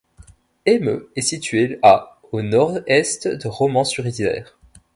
Eymeux est situé à au nord-est de Romans-sur-Isère.